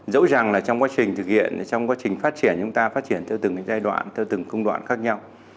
dẫu rằng trong quá trình thực hiện trong quá trình phát triển chúng ta phát triển theo từng giai đoạn theo từng cung đoạn khác nhau